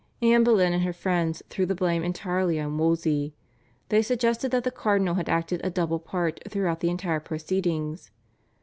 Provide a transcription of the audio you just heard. Anne Boleyn and her friends threw the blame entirely on Wolsey. They suggested that the cardinal had acted a double part throughout the entire proceedings.